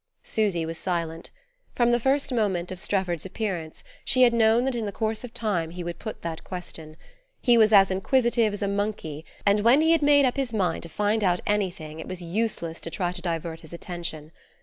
Susy was silent. From the first moment of Strefford's appearance she had known that in the course of time he would put that question. He was as inquisitive as a monkey, and when he had made up his mind to find out anything it was useless to try to divert his attention.